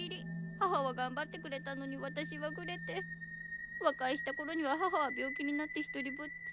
母は頑張ってくれたのに私はグレて和解した頃には母は病気になって独りぼっち。